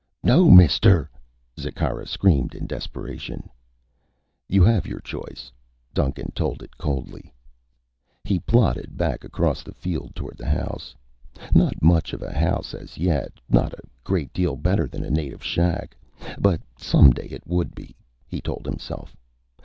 "No, mister!" Zikkara screamed in desperation. "You have your choice," Duncan told it coldly. He plodded back across the field toward the house. Not much of a house as yet. Not a great deal better than a native shack. But someday it would be, he told himself.